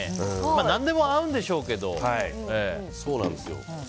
何でも合うんでしょうけど。